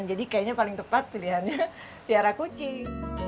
jadi kayaknya paling tepat pilihannya piara kucing